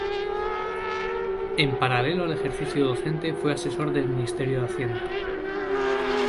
En paralelo al ejercicio docente fue asesor del Ministerio de Hacienda.